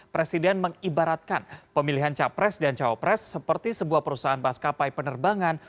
presiden mengibaratkan pemilihan capres dan jawa pres seperti sebuah perusahaan bas kapai penerbangan